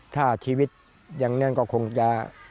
ถ้าชีวิตอย่างนั้นก็คงจะ